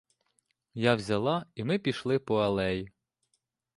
Я взяла, і ми пішли по алеї.